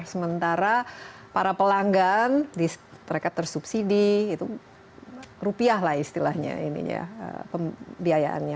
sementara para pelanggan mereka tersubsidi itu rupiah lah istilahnya ini ya pembiayaannya